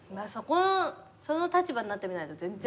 その立場になってみないと全然ねその気持ち。